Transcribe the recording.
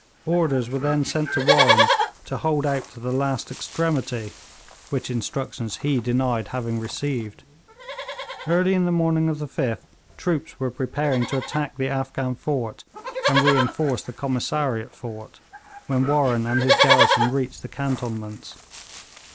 Orders were then sent to Warren to hold out to the last extremity; which instructions he denied having received. Early in the morning of the 5th troops were preparing to attack the Afghan fort and reinforce the Commissariat fort, when Warren and his garrison reached the cantonments.